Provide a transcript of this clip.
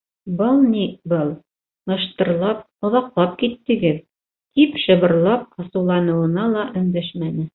— Был ни был, мыштырлап, оҙаҡлап киттегеҙ? — тип шыбырлап асыуланыуына ла өндәшмәне.